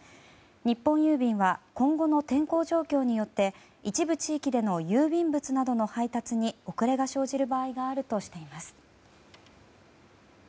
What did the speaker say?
日本郵便は今後の天候状況によって一部地域での郵便物などの配達に遅れが生じる場合があるとしています。